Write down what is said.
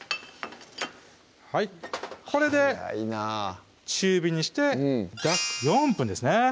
これで中火にして約４分ですね